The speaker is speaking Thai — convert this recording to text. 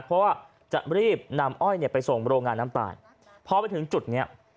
เพราะว่าจะรีบนำอ้อยเนี่ยไปส่งโรงงานน้ำตาลพอไปถึงจุดเนี้ย